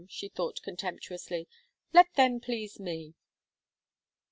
she thought, contemptuously. "Let them please me."